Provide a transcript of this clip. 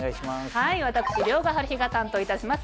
はい私遼河はるひが担当いたします